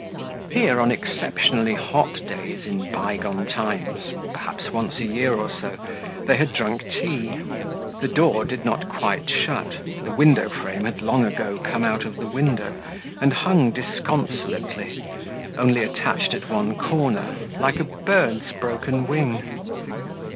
Here, on exceptionally hot days, in bygone times, perhaps once a year or so, they had drunk tea. The door did not quite shut, the window frame had long ago come out of the window, and hung disconsolately, only attached at one corner, like a bird's broken wing.